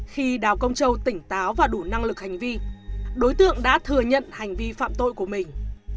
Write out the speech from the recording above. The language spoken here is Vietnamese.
khi đào công châu tỉnh táo và đủ năng lực hành vi đối tượng đã thừa nhận hành vi phạm tội của mình